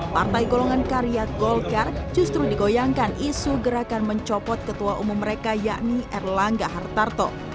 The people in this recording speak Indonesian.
partai golongan karya golkar justru digoyangkan isu gerakan mencopot ketua umum mereka yakni erlangga hartarto